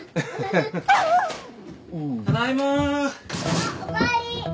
あっおかえり。